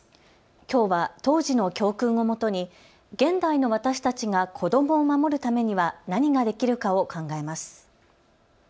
きょうは当時の教訓をもとに現代の私たちが子どもを守るためには何ができるかを考えます。